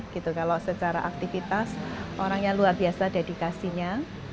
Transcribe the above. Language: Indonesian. kalau secara aktivitas orangnya luar biasa dedikasinya